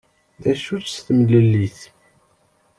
D acu-tt temlellit?